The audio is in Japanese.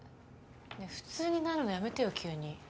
普通になるのやめてよ急に。